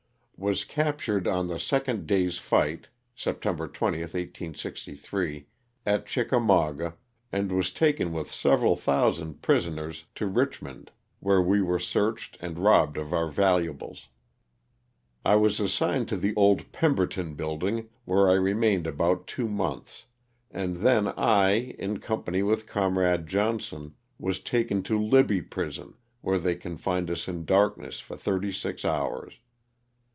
Was captured on the second day's fight (September 20, 1863), at Chickamauga and was taken with several thousand prisoners to Richmond LOSS OF THE SULTANA. 197 where we were searched and robbed of our valuables. I was assigned to the old Pemberton building where I remained about two months, and then I, in company with comrade Johnson, was taken to Libby prison where they confined us in darkness for thirty six hours.